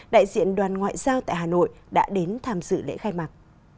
đại diện đoàn ngoại giao tại hà nội đã đến tham dự lễ khai mạc